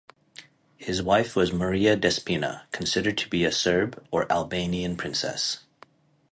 His wife was Maria Despina, considered to be a Serb or Albanian princess.